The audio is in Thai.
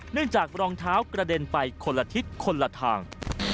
จากรองเท้ากระเด็นไปคนละทิศคนละทาง